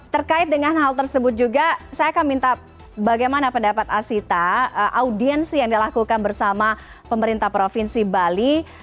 terkait dengan hal tersebut juga saya akan minta bagaimana pendapat asita audiensi yang dilakukan bersama pemerintah provinsi bali